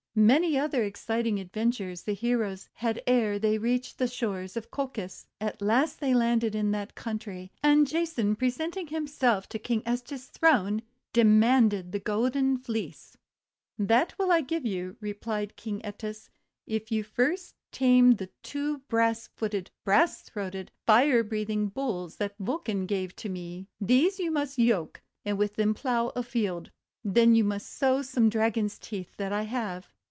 Many other exciting adventures the heroes had ere they reached the shore of Colchis. At last they landed in that country; and Jason, presenting himself before King Petes' throne, demanded the Golden Fleece, 'That will I give you," replied King ^Eetes, " if you will first tame the two brass footed, brass throated, fire breathing Bulls that Vulcan gave to me. These you must yoke, and with them plough a field. Then you must sow some Dragon's teeth that I have."